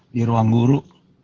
di ruang guru